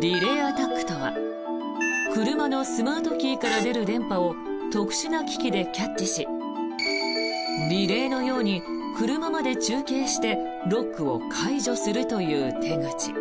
リレーアタックとは車のスマートキーから出る電波を特殊な機器でキャッチしリレーのように車まで中継してロックを解除するという手口。